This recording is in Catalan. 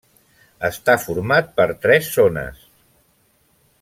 Està format per tres zones: